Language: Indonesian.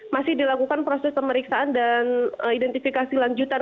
masih dilakukan proses pemeriksaan dan identifikasi lanjutan